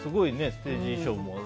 ステージ衣装も。